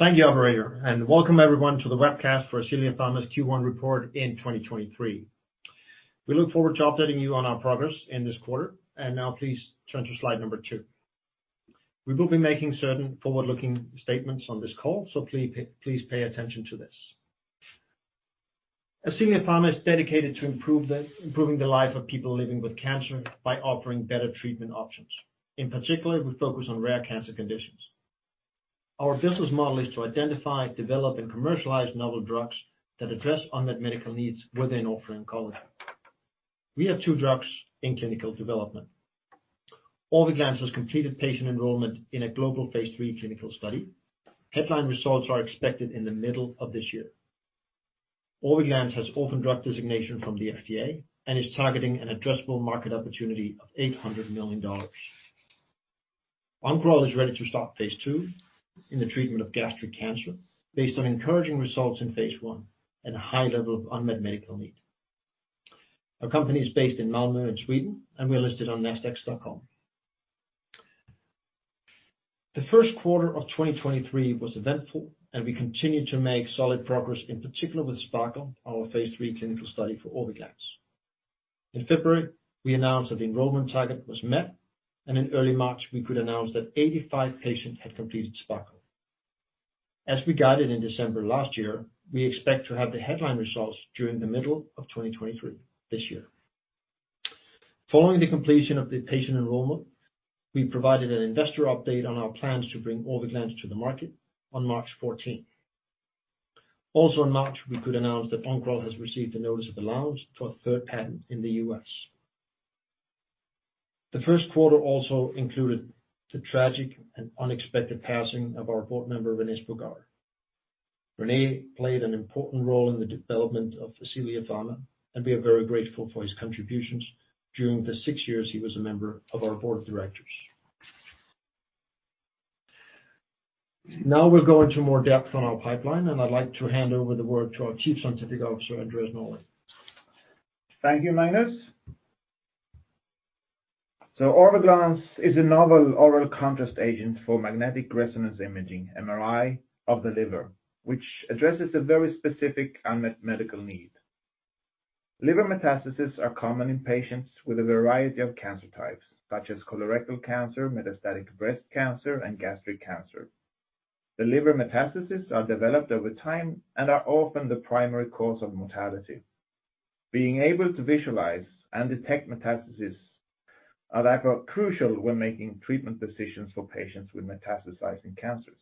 Thank you operator, welcome everyone to the webcast for Ascelia Pharma's Q1 report in 2023. We look forward to updating you on our progress in this quarter. Now please turn to slide number two. We will be making certain forward-looking statements on this call, so please pay attention to this. Ascelia Pharma is dedicated to improving the lives of people living with cancer by offering better treatment options. In particular, we focus on rare cancer conditions. Our business model is to identify, develop, and commercialize novel drugs that address unmet medical needs within oncology. We have two drugs in clinical development. Orviglance has completed patient enrollment in a global phase III clinical study. Headline results are expected in the middle of this year. Orviglance has Orphan Drug Designation from the FDA and is targeting an addressable market opportunity of $800 million. Oncoral is ready to start phase II in the treatment of gastric cancer based on encouraging results in phase I and a high level of unmet medical need. Our company is based in Malmö in Sweden, and we are listed on Nasdaq Stockholm. The first quarter of 2023 was eventful, and we continued to make solid progress, in particular with SPARKLE, phase III clinical study for Orviglance. In February, we announced that the enrollment target was met, and in early March, we could announce that 85 patients had completed SPARKLE. As we guided in December last year, we expect to have the headline results during the middle of 2023, this year. Following the completion of the patient enrollment, we provided an investor update on our plans to bring Orviglance to the market on March 14th. In March, we could announce that Oncoral has received a notice of allowance for a third patent in the U.S. The first quarter also included the tragic and unexpected passing of our board member, René Spogárd. René played an important role in the development of Ascelia Pharma, and we are very grateful for his contributions during the six years he was a member of our board of directors. We'll go into more depth on our pipeline, and I'd like to hand over the word to our Chief Scientific Officer, Andreas Norlin. Thank you, Magnus. Orviglance is a novel oral contrast agent for magnetic resonance imaging, MRI, of the liver, which addresses a very specific unmet medical need. Liver metastases are common in patients with a variety of cancer types, such as colorectal cancer, metastatic breast cancer, and gastric cancer. The liver metastases are developed over time and are often the primary cause of mortality. Being able to visualize and detect metastases are therefore crucial when making treatment decisions for patients with metastasizing cancers.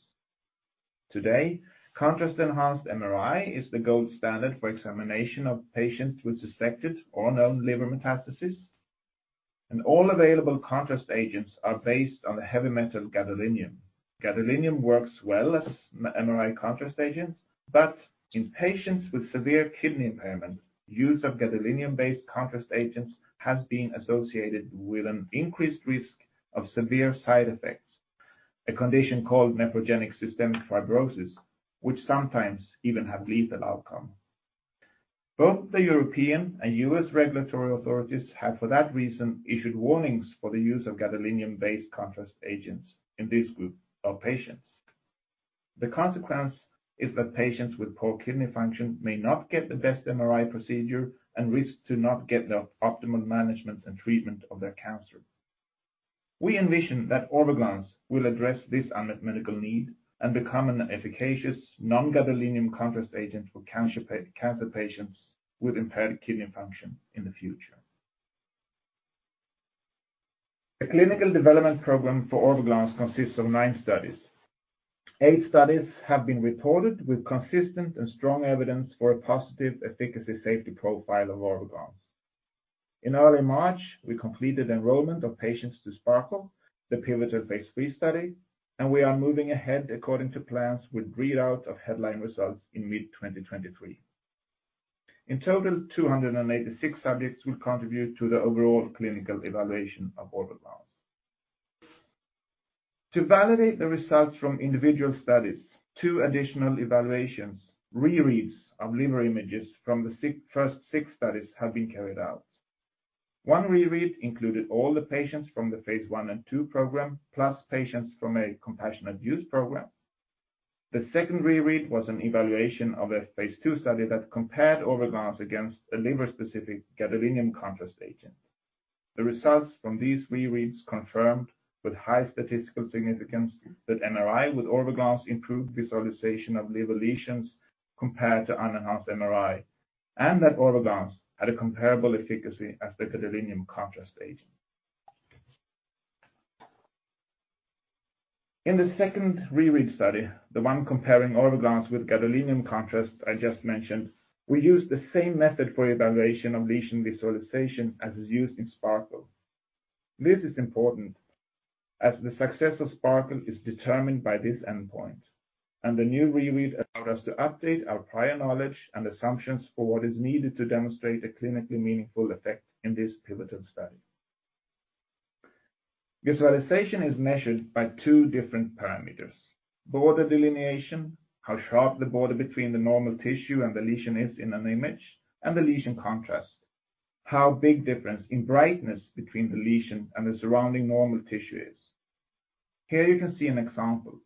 Today, contrast enhanced MRI is the gold standard for examination of patients with suspected or known liver metastases, and all available contrast agents are based on the heavy metal gadolinium. Gadolinium works well as MRI contrast agents, but in patients with severe kidney impairment, use of gadolinium-based contrast agents has been associated with an increased risk of severe side effects, a condition called nephrogenic systemic fibrosis, which sometimes even have lethal outcome. Both the European and U.S. regulatory authorities have, for that reason, issued warnings for the use of gadolinium-based contrast agents in this group of patients. The consequence is that patients with poor kidney function may not get the best MRI procedure and risk to not get the optimal management and treatment of their cancer. We envision that Orviglance will address this unmet medical need and become an efficacious non-gadolinium contrast agent for cancer patients with impaired kidney function in the future. The clinical development program for Orviglance consists of nine studies. Eight studies have been reported with consistent and strong evidence for a positive efficacy safety profile of Orviglance. In early March, we completed enrollment of patients to SPARKLE, the pivotal phase III study. We are moving ahead according to plans with readout of headline results in mid-2023. In total, 286 subjects will contribute to the overall clinical evaluation of Orviglance. To validate the results from individual studies, two additional evaluations, rereads of liver images from the first six studies have been carried out. One reread included all the patients from the phase I and phase II program, plus patients from a compassionate use program. The second reread was an evaluation of a phase II study that compared Orviglance against a liver-specific gadolinium contrast agent. The results from these rereads confirmed with high statistical significance that MRI with Orviglance improved visualization of liver lesions compared to unenhanced MRI, and that Orviglance had a comparable efficacy as the gadolinium contrast agent. In the second reread study, the one comparing Orviglance with gadolinium contrast I just mentioned, we used the same method for evaluation of lesion visualization as is used in SPARKLE. This is important as the success of SPARKLE is determined by this endpoint, and the new reread allowed us to update our prior knowledge and assumptions for what is needed to demonstrate a clinically meaningful effect in this pivotal study. Visualization is measured by two different parameters: border delineation, how sharp the border between the normal tissue and the lesion is in an image, and the lesion contrast. How big difference in brightness between the lesion and the surrounding normal tissue is. Here you can see an example.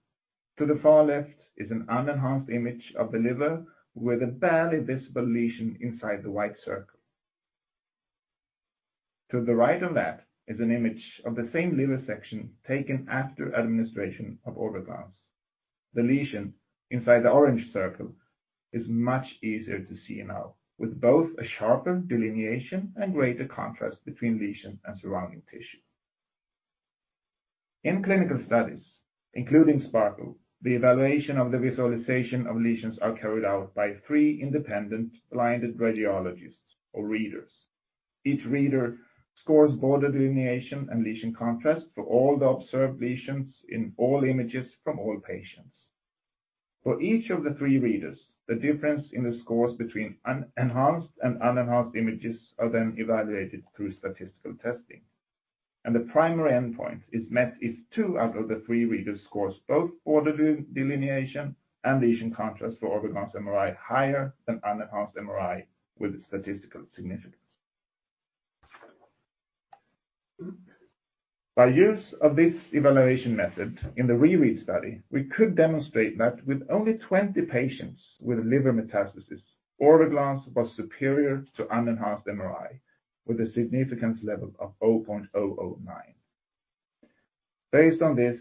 To the far left is an unenhanced image of the liver with a barely visible lesion inside the white circle. To the right of that is an image of the same liver section taken after administration of Orviglance. The lesion inside the orange circle is much easier to see now, with both a sharper delineation and greater contrast between lesion and surrounding tissue. In clinical studies, including SPARKLE, the evaluation of the visualization of lesions are carried out by three independent blinded radiologists or readers. Each reader scores border delineation and lesion contrast for all the observed lesions in all images from all patients. For each of the three readers, the difference in the scores between en-enhanced and unenhanced images are then evaluated through statistical testing. The primary endpoint is met if two out of the three readers scores both border delineation and lesion contrast for Orviglance MRI higher than unenhanced MRI with statistical significance. By use of this evaluation method in the re-read study, we could demonstrate that with only 20 patients with liver metastasis, Orviglance was superior to unenhanced MRI with a significance level of 0.009. Based on this,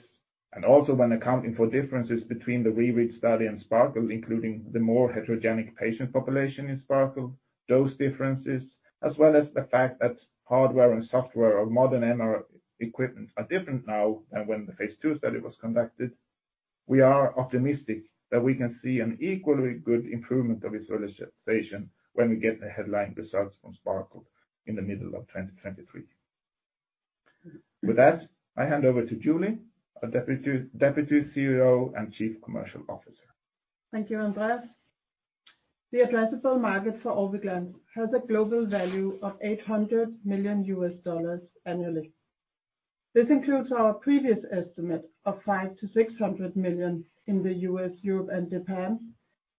and also when accounting for differences between the re-read study and SPARKLE, including the more heterogenic patient population in SPARKLE, dose differences, as well as the fact that hardware and software of modern MR equipments are different now than when the phase II study was conducted, we are optimistic that we can see an equally good improvement of visualization when we get the headline results from SPARKLE in the middle of 2023. With that, I hand over to Julie, our Deputy CEO and Chief Commercial Officer. Thank you, Andreas. The addressable market for Orviglance has a global value of $800 million annually. This includes our previous estimate of $500 million-$600 million in the U.S., Europe and Japan,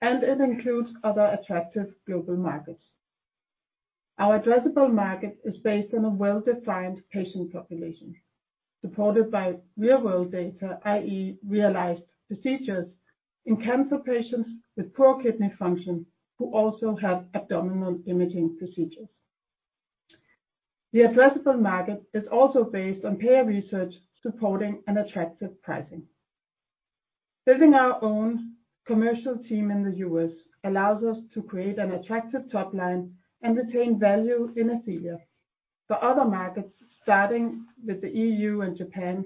and it includes other attractive global markets. Our addressable market is based on a well-defined patient population, supported by real-world data, i.e., realized procedures in cancer patients with poor kidney function who also have abdominal imaging procedures. The addressable market is also based on payer research supporting an attractive pricing. Building our own commercial team in the U.S. allows us to create an attractive top line and retain value in Ascelia Pharma. For other markets, starting with the E.U. and Japan,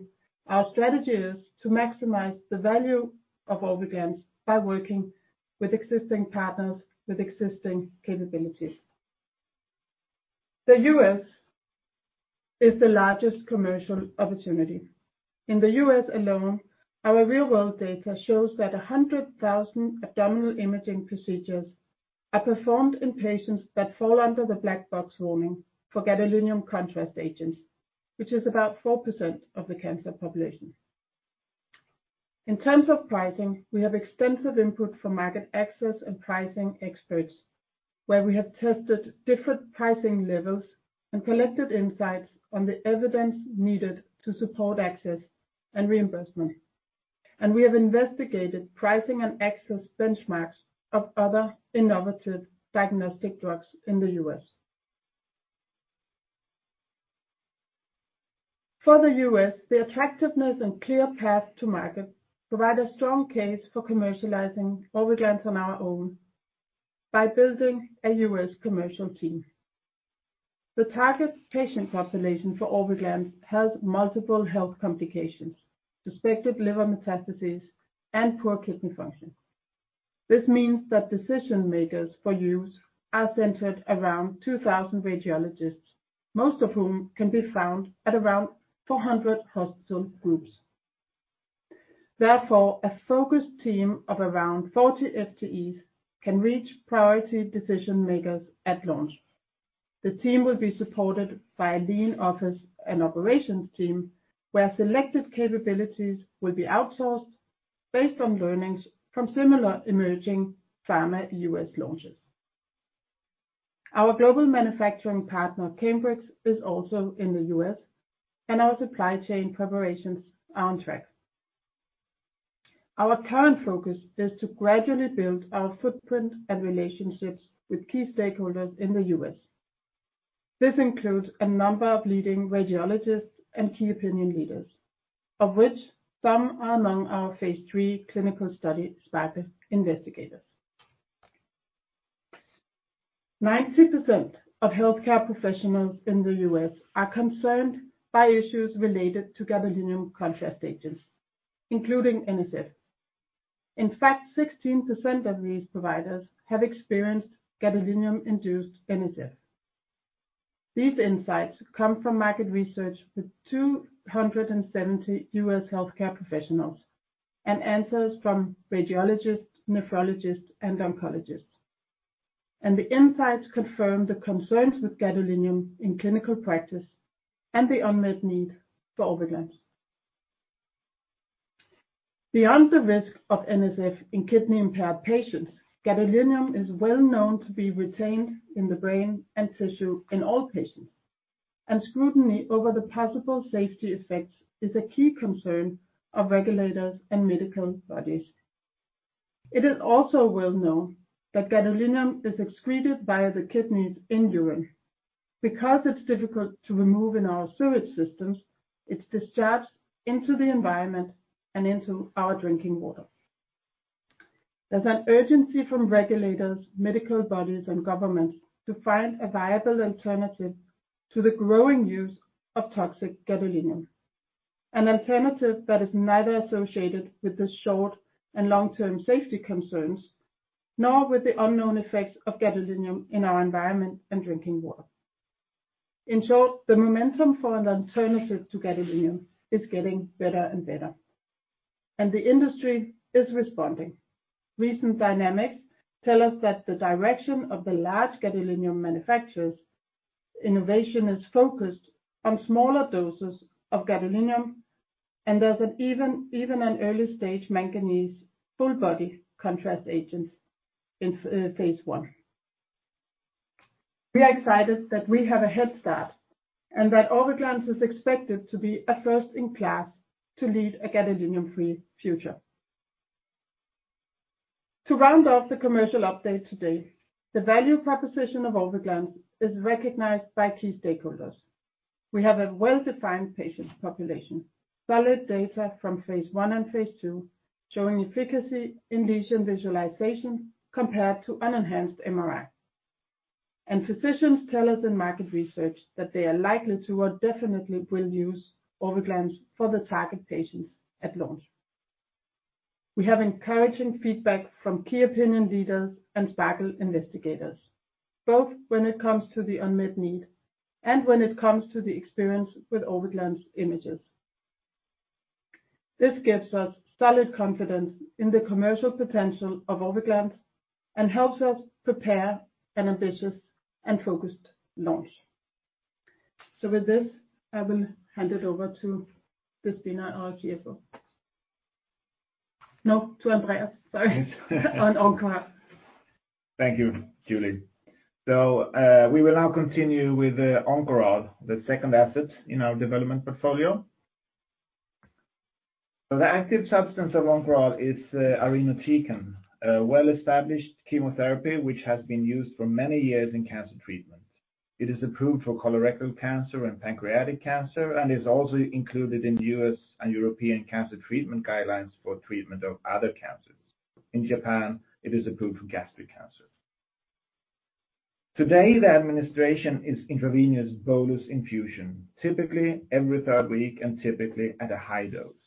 our strategy is to maximize the value of Orviglance by working with existing partners with existing capabilities. The U.S. is the largest commercial opportunity. In the U.S. alone, our real-world data shows that 100,000 abdominal imaging procedures are performed in patients that fall under the black box warning for gadolinium contrast agents, which is about 4% of the cancer population. In terms of pricing, we have extensive input from market access and pricing experts, where we have tested different pricing levels and collected insights on the evidence needed to support access and reimbursement. We have investigated pricing and access benchmarks of other innovative diagnostic drugs in the U.S. For the U.S., the attractiveness and clear path to market provide a strong case for commercializing Orviglance on our own by building a U.S. commercial team. The target patient population for Orviglance has multiple health complications, suspected liver metastasis and poor kidney function. This means that decision-makers for use are centered around 2,000 radiologists, most of whom can be found at around 400 hospital groups. Therefore, a focused team of around 40 FTEs can reach priority decision-makers at launch. The team will be supported by a lean office and operations team, where selected capabilities will be outsourced based on learnings from similar emerging pharma U.S. launches. Our global manufacturing partner, Cambrex, is also in the U.S., and our supply chain preparations are on track. Our current focus is to gradually build our footprint and relationships with key stakeholders in the U.S. This includes a number of leading radiologists and Key Opinion Leaders, of which some are among our phase III clinical study site investigators. 90% of healthcare professionals in the U.S. are concerned by issues related to gadolinium contrast agents, including NSF. In fact, 16% of these providers have experienced gadolinium-induced NSF. These insights come from market research with 270 U.S. healthcare professionals and answers from radiologists, nephrologists and oncologists. The insights confirm the concerns with gadolinium in clinical practice and the unmet need for Orviglance. Beyond the risk of NSF in kidney-impaired patients, gadolinium is well known to be retained in the brain and tissue in all patients. Scrutiny over the possible safety effects is a key concern of regulators and medical bodies. It is also well known that gadolinium is excreted via the kidneys in urine. It's difficult to remove in our sewage systems, it's discharged into the environment and into our drinking water. There's an urgency from regulators, medical bodies, and governments to find a viable alternative to the growing use of toxic gadolinium. An alternative that is neither associated with the short and long-term safety concerns, nor with the unknown effects of gadolinium in our environment and drinking water. In short, the momentum for an alternative to gadolinium is getting better and better. The industry is responding. Recent dynamics tell us that the direction of the large gadolinium manufacturers innovation is focused on smaller doses of gadolinium and there's even an early-stage manganese full body contrast agents in phase I. We are excited that we have a head start and that Orviglance is expected to be a first-in-class to lead a gadolinium-free future. To round off the commercial update today, the value proposition of Orviglance is recognized by key stakeholders. We have a well-defined patient population, solid data from phase I and phase II, showing efficacy in lesion visualization compared to unenhanced MRI. Physicians tell us in market research that they are likely to or definitely will use Orviglance for the target patients at launch. We have encouraging feedback from Key Opinion Leaders and SPARKLE investigators, both when it comes to the unmet need and when it comes to the experience with Orviglance images. This gives us solid confidence in the commercial potential of Orviglance and helps us prepare an ambitious and focused launch. With this, I will hand it over to Déspina, our CFO. No, to Andreas, sorry. On Oncoral. Thank you, Julie. We will now continue with Oncoral, the 2nd asset in our development portfolio. The active substance of Oncoral is irinotecan, a well-established chemotherapy which has been used for many years in cancer treatment. It is approved for colorectal cancer and pancreatic cancer, and is also included in U.S. and European cancer treatment guidelines for treatment of other cancers. In Japan, it is approved for gastric cancer. Today, the administration is intravenous bolus infusion, typically every 3rd week and typically at a high dose.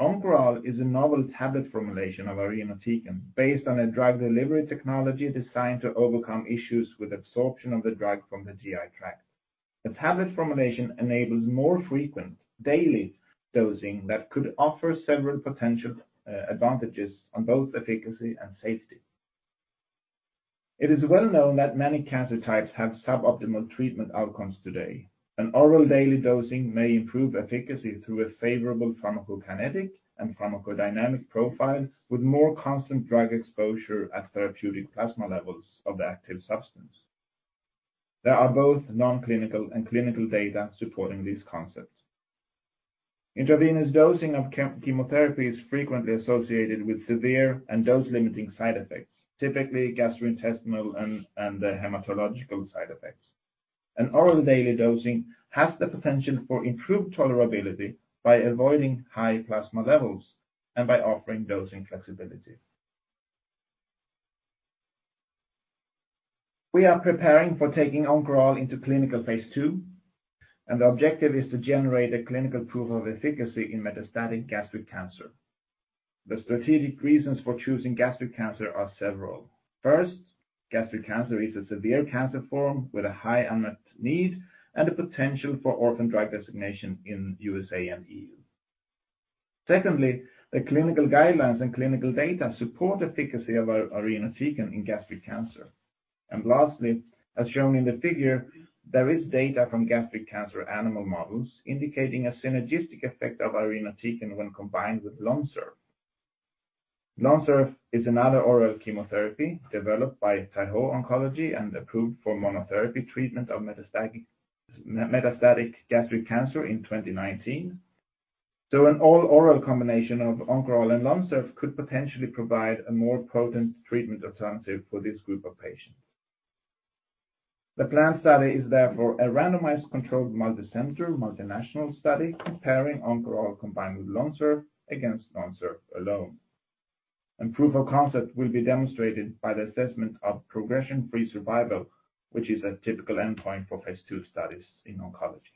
Oncoral is a novel tablet formulation of irinotecan, based on a drug delivery technology designed to overcome issues with absorption of the drug from the GI tract. The tablet formulation enables more frequent daily dosing that could offer several potential advantages on both efficacy and safety. It is well known that many cancer types have suboptimal treatment outcomes today, oral daily dosing may improve efficacy through a favorable pharmacokinetic and pharmacodynamic profile with more constant drug exposure at therapeutic plasma levels of the active substance. There are both non-clinical and clinical data supporting these concepts. Intravenous dosing of chemotherapy is frequently associated with severe and dose-limiting side effects, typically gastrointestinal and hematological side effects. An oral daily dosing has the potential for improved tolerability by avoiding high plasma levels and by offering dosing flexibility. We are preparing for taking Oncoral into clinical phase II, the objective is to generate a clinical proof of efficacy in metastatic gastric cancer. The strategic reasons for choosing gastric cancer are several. First, gastric cancer is a severe cancer form with a high unmet need and a potential for Orphan Drug Designation in USA and E.U. The clinical guidelines and clinical data support efficacy of irinotecan in gastric cancer. Lastly, as shown in the figure, there is data from gastric cancer animal models indicating a synergistic effect of irinotecan when combined with Lonsurf. Lonsurf is another oral chemotherapy developed by Taiho Oncology and approved for monotherapy treatment of metastatic gastric cancer in 2019. An all-oral combination of Oncoral and Lonsurf could potentially provide a more potent treatment alternative for this group of patients. The planned study is therefore a randomized controlled multicenter, multinational study comparing Oncoral combined with Lonsurf against Lonsurf alone. Proof of concept will be demonstrated by the assessment of progression-free survival, which is a typical endpoint for phase II studies in oncology.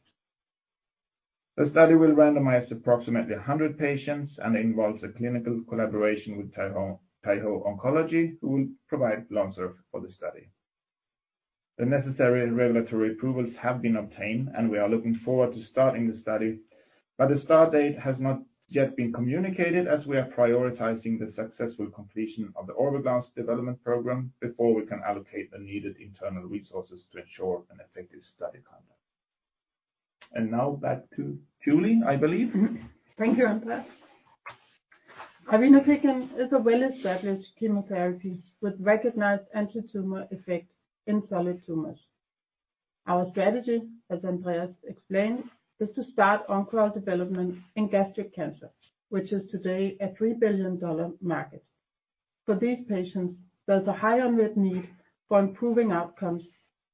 The study will randomize approximately 100 patients and involves a clinical collaboration with Taiho Oncology, who will provide Lonsurf for the study. The necessary regulatory approvals have been obtained. We are looking forward to starting the study. The start date has not yet been communicated as we are prioritizing the successful completion of the Orviglance development program before we can allocate the needed internal resources to ensure an effective study conduct. Now back to Julie, I believe. Thank you, Andreas. Irinotecan is a well-established chemotherapy with recognized antitumor effect in solid tumors. Our strategy, as Andreas explained, is to start Oncoral development in gastric cancer, which is today a $3 billion market. For these patients, there's a high unmet need for improving outcomes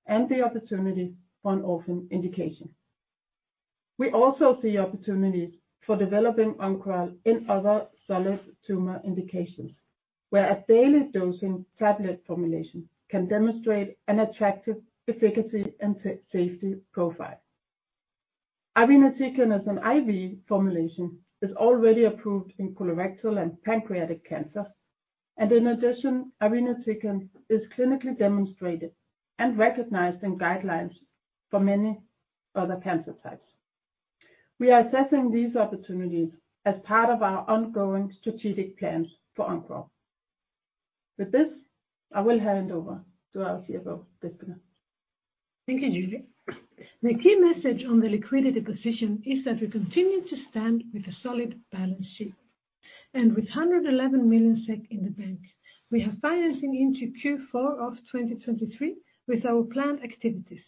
and the opportunity for an orphan indication. We also see opportunities for developing Oncoral in other solid tumor indications, where a daily dosing tablet formulation can demonstrate an attractive efficacy and safety profile. Irinotecan as an IV formulation is already approved in colorectal and pancreatic cancer. In addition, irinotecan is clinically demonstrated and recognized in guidelines for many other cancer types. We are assessing these opportunities as part of our ongoing strategic plans for Oncoral. With this, I will hand over to our CFO, Déspina. Thank you, Julie. The key message on the liquidity position is that we continue to stand with a solid balance sheet. With 111 million SEK in the bank, we have financing into Q4 of 2023 with our planned activities.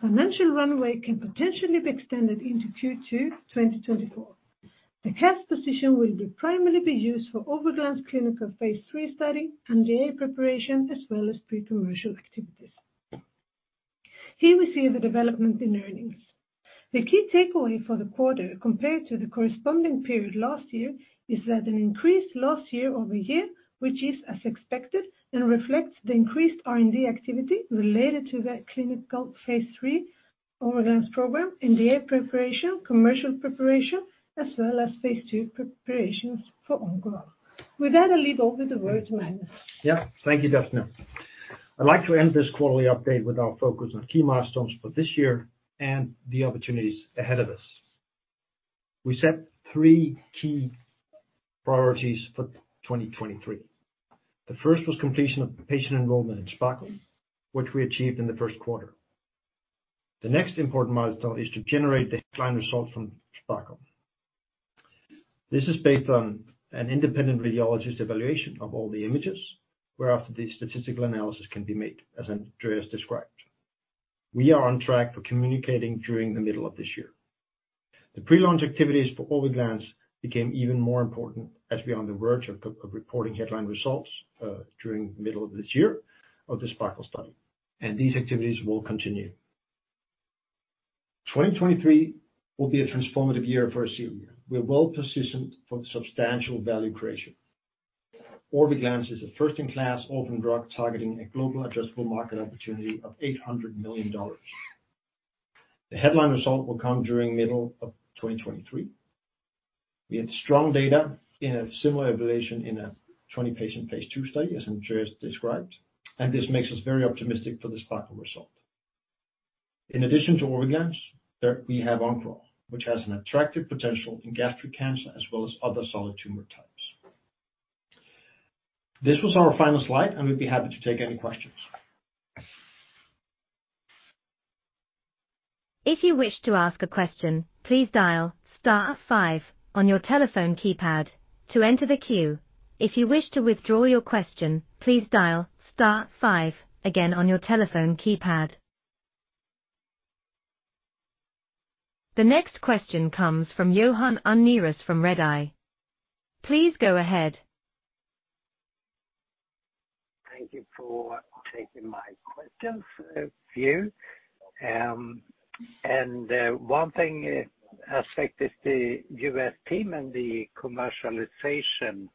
Financial runway can potentially be extended into Q2 2024. The cash position will primarily be used for Orviglance clinical phase III study and DA preparation, as well as pre-commercial activities. Here we see the development in earnings. The key takeaway for the quarter compared to the corresponding period last year is that an increased loss year-over-year, which is as expected and reflects the increased R&D activity related to the clinical phase III Orviglance program in the preparation, commercial preparation, as well as phase II preparations for Oncoral. With that, I leave over the word to Magnus. Yeah. Thank you, Déspina. I'd like to end this quarterly update with our focus on key milestones for this year and the opportunities ahead of us. We set three key priorities for 2023. The first was completion of patient enrollment in SPARKLE, which we achieved in the first quarter. The next important milestone is to generate the headline results from SPARKLE. This is based on an independent radiologist evaluation of all the images, whereafter the statistical analysis can be made, as Andreas described. We are on track for communicating during the middle of this year. The pre-launch activities for Orviglance became even more important as we are on the verge of reporting headline results during middle of this year of the SPARKLE study, and these activities will continue. 2023 will be a transformative year for Ascelia Pharma. We're well-positioned for substantial value creation. Orviglance is a first-in-class orphan drug targeting a global adjustable market opportunity of $800 million. The headline result will come during middle of 2023. We had strong data in a similar evaluation in a 20-patient phase II study, as Andreas described, and this makes us very optimistic for the SPARKLE result. In addition to Orviglance, there we have Oncoral, which has an attractive potential in gastric cancer as well as other solid tumor types. This was our final slide. We'd be happy to take any questions. If you wish to ask a question, please dial star five on your telephone keypad to enter the queue. If you wish to withdraw your question, please dial star five again on your telephone keypad. The next question comes from Johan Unnérus from Redeye. Please go ahead. Thank you for taking my question, view. One thing, aspect is the U.S. team and the commercialization.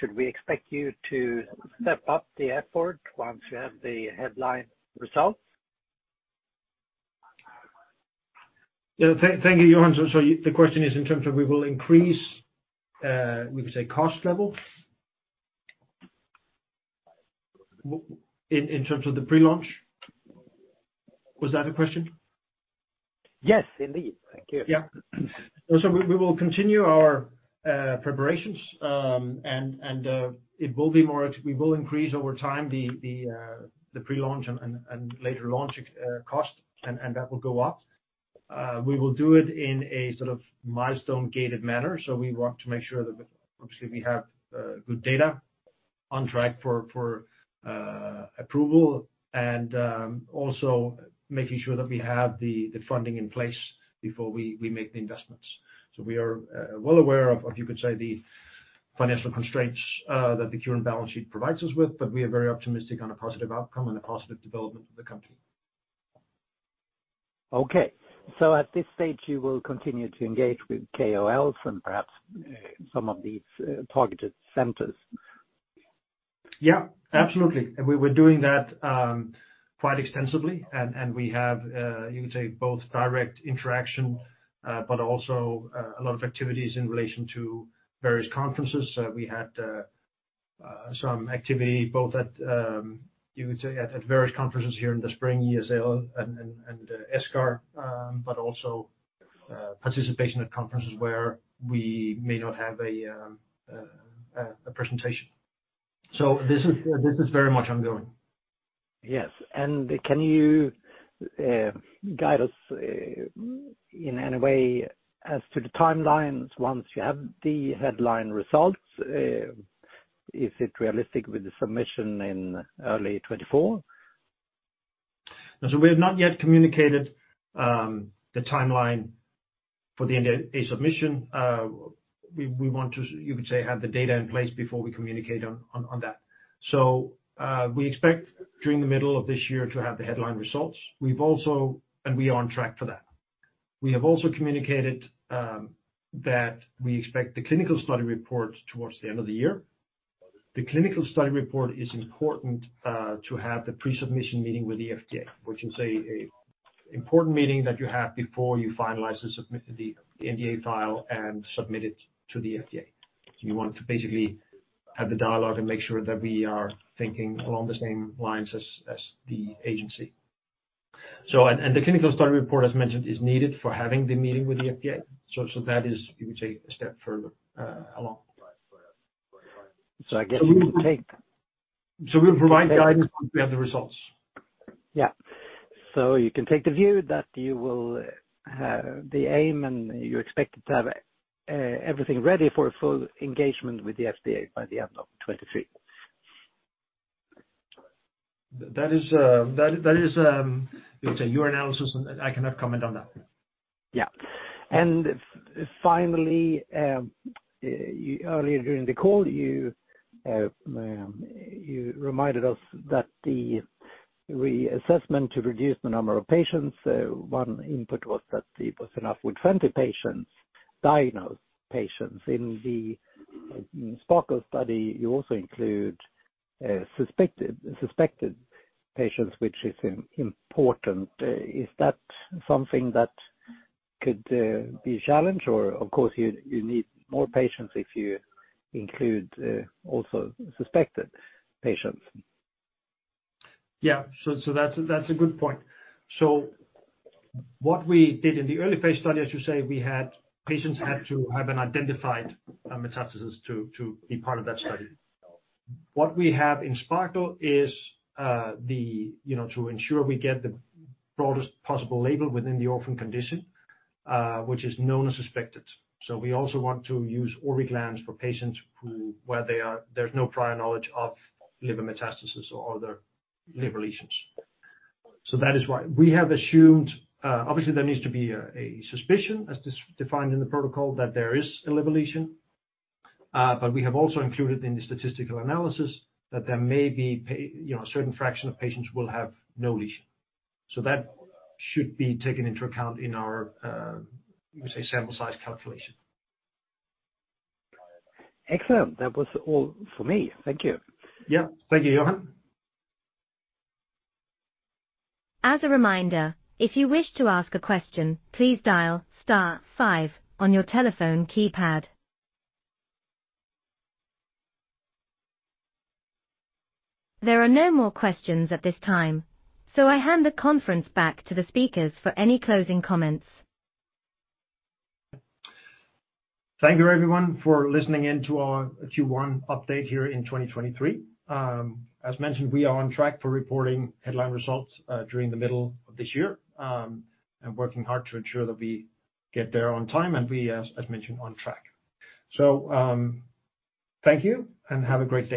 Should we expect you to step up the effort once you have the headline results? Yeah. Thank you, Johan. The question is in terms of we will increase, we could say, cost level in terms of the pre-launch? Was that the question? Yes, indeed. Thank you. Yeah. We will continue our preparations, and We will increase over time the pre-launch and later launch cost and that will go up. We will do it in a sort of milestone gated manner. We want to make sure that obviously we have good data on track for approval and also making sure that we have the funding in place before we make the investments. We are well aware of, you could say, the financial constraints that the current balance sheet provides us with, but we are very optimistic on a positive outcome and a positive development of the company. At this stage you will continue to engage with KOLs and perhaps some of these targeted centers? Yeah, absolutely. We've been doing that quite extensively. We have, you could say, both direct interaction, but also a lot of activities in relation to various conferences. We had some activity both at, you could say, at various conferences here in the spring, EASL and ESGAR. But also participation at conferences where we may not have a presentation. So this is very much ongoing. Yes. Can you guide us in any way as to the timelines once you have the headline results? Is it realistic with the submission in early 2024? We have not yet communicated the timeline for the NDA submission. We want to have the data in place before we communicate on that. We expect during the middle of this year to have the headline results. We are on track for that. We have also communicated that we expect the clinical study report towards the end of the year. The clinical study report is important to have the pre-submission meeting with the FDA, which is an important meeting that you have before you finalize the NDA file and submit it to the FDA. You want to basically have the dialogue and make sure that we are thinking along the same lines as the agency. And the clinical study report, as mentioned, is needed for having the meeting with the FDA. That is, you could say, a step further, along. I. So we- Take- We'll provide guidance when we have the results. Yeah. You can take the view that you will have the aim and you're expected to have everything ready for a full engagement with the FDA by the end of 2023. That is, let's say, your analysis and I cannot comment on that. Yeah. Finally, earlier during the call, you reminded us that the reassessment to reduce the number of patients, one input was that it was enough with 20 patients, diagnosed patients. In the SPARKLE study, you also include suspected patients, which is important. Is that something that could be a challenge? Of course, you need more patients if you include also suspected patients. That's a good point. What we did in the early phase study, as you say, we had, patients had to have an identified metastasis to be part of that study. What we have in SPARKLE is, the, you know, to ensure we get the broadest possible label within the orphan condition, which is known or suspected. We also want to use Orviglance for patients who, there's no prior knowledge of liver metastasis or other liver lesions. That is why. We have assumed, obviously there needs to be a suspicion as defined in the protocol that there is a liver lesion. We have also included in the statistical analysis that there may be, you know, a certain fraction of patients will have no lesion. That should be taken into account in our, you could say, sample size calculation. Excellent. That was all for me. Thank you. Yeah. Thank you, Johan. As a reminder, if you wish to ask a question, please dial star five on your telephone keypad. I hand the conference back to the speakers for any closing comments. Thank you everyone for listening in to our Q1 update here in 2023. As mentioned, we are on track for reporting headline results during the middle of this year, and working hard to ensure that we get there on time and we as mentioned, on track. Thank you and have a great day.